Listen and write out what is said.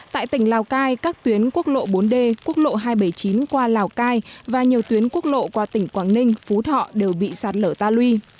tại tỉnh lào cai các tuyến quốc lộ bốn d quốc lộ hai trăm bảy mươi chín qua lào cai và nhiều tuyến quốc lộ qua tỉnh quảng ninh phú thọ đều bị sạt lở ta lui